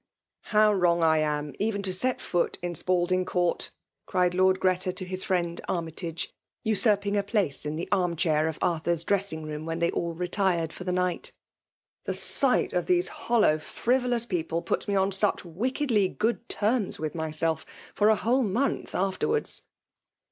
" How wrong I am even to set foot in Spalding. Court," cried Lord Oreta to his friend Army tag^^ usurping a place in the armrchair of Arthur's dressing room when they all retired for the night :—'^ the sight of these hollow, frivolous people puts me on such wickedly good terms with myself for a whole month afterwards."